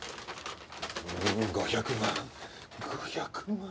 ５００万５００万。